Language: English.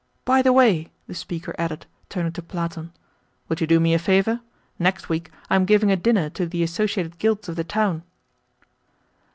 By the way," the speaker added, turning to Platon, "would you do me a favour? Next week I am giving a dinner to the associated guilds of the town."